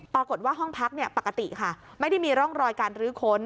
ปรากฏว่าห้องพักเนี่ยปกติค่ะไม่ได้มีร่องรอยการรื้อค้น